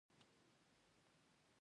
د ژبې فصاحت او بلاغت ډېر مهم دی.